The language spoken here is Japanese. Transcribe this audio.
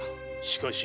しかし。